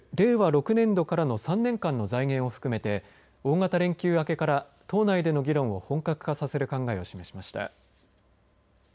６年度からの３年間の財源を含めて大型連休明けから党内での議論を本格化させる考えを示しました。